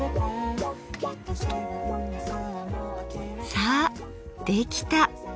さあできた！